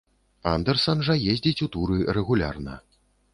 Андэрсан жа ездзіць у туры рэгулярна.